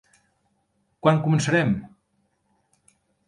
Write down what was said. Quan començarem?